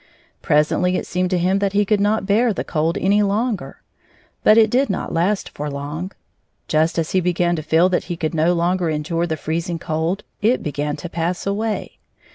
Presently it seemed to him that he could not bear the cold any longer. But it did not last for long. Just as he began to feel that he could no longer endure the fi eezing cold, it began to pass away.